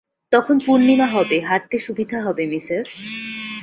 তখন পূর্ণিমা হবে, হাঁটতে সুবিধা হবে, মিসেস।